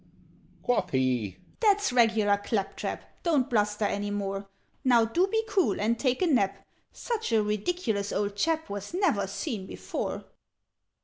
Quoth he "That's regular clap trap: Don't bluster any more. Now do be cool and take a nap! Such a ridiculous old chap Was never seen before!